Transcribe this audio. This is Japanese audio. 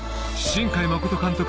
新海誠監督